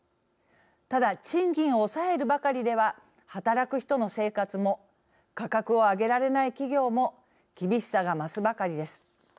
ただ、賃金を抑えるばかりでは働く人の生活も価格を上げられない企業も厳しさが増すばかりです。